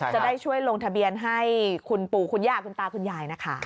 จะได้ช่วยลงทะเบียนให้คุณปู่คุณย่าคุณตาคุณยายนะคะ